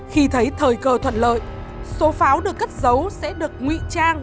khi thấy thời cơ thuận lợi số pháo được cất giấu sẽ được nguy trang